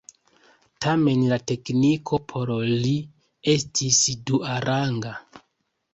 Tamen la tekniko por li estis duaranga.